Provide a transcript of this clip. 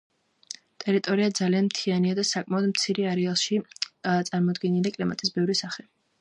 ტერიტორია ძალიან მთიანია და საკმაოდ მცირე არეალში წარმოდგენილია კლიმატის ბევრი სახე.